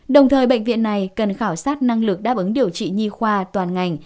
đồng thời bệnh viện này cần khảo sát năng lực đáp ứng điều trị nhi khoa toàn ngành